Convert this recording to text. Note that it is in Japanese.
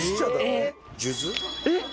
えっ！